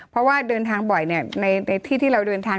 เพราะว่าเดินทางบ่อยในที่ที่เราเดินทาง